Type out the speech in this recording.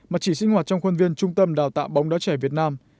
mà chỉ sinh hoạt trong khuôn viên trung tâm đào tạo bóng đá trẻ việt nam